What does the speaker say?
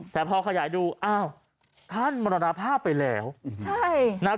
แต่พอขยายดูอ้าวท่านมรณภาพไปแล้วใช่นะครับ